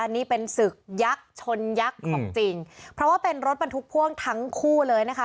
นี่เป็นศึกยักษ์ชนยักษ์ของจริงเพราะว่าเป็นรถบรรทุกพ่วงทั้งคู่เลยนะคะ